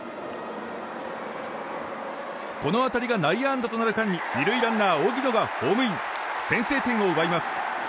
この当たりが内野安打となる間に２塁ランナー、荻野がホームイン先制点を奪います。